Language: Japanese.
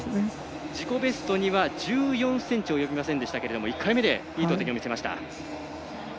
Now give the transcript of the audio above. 自己ベストには１４ｃｍ及びませんでしたけど１回目でいい投てきを見せました。